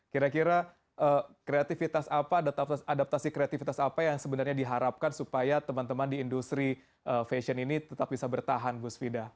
kira kira kreatifitas apa adaptasi kreativitas apa yang sebenarnya diharapkan supaya teman teman di industri fashion ini tetap bisa bertahan bu svida